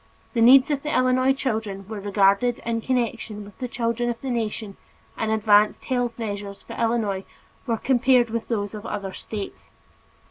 The needs of the Illinois children were regarded in connection with the children of the nation and advanced health measures for Illinois were compared with those of other states.